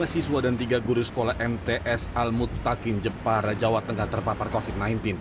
dua puluh lima siswa dan tiga guru sekolah mts almut takin jepara jawa tengah terpapar covid sembilan belas